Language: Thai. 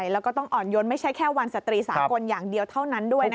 แล้วก็ต้องอ่อนยนไม่ใช่แค่วันสตรีสากลอย่างเดียวเท่านั้นด้วย